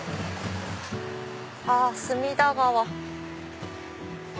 あ隅田川。